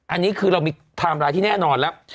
อันนี้คือเรามีไทม์ไลน์ที่แน่นอนแล้ว